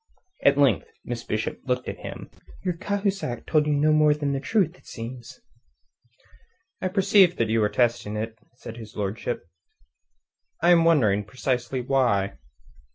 At length Miss Bishop looked at him, and spoke. "Your Cahusac told you no more than the truth, it seems." "I perceived that you were testing it," said his lordship. "I am wondering precisely why."